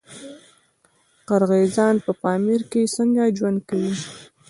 قرغیزان په پامیر کې څنګه ژوند کوي؟